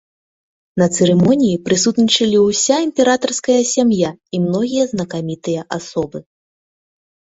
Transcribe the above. На цырымоніі прысутнічалі ўся імператарская сям'я і многія знакамітыя асобы.